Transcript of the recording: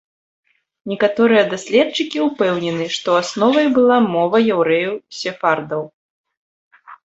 Некаторыя даследчыкі ўпэўнены, што асновай была мова яўрэяў-сефардаў.